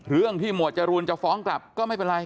เรื่องที่หมวดจรูนจะฟ้องกลับก็ไม่เป็นไร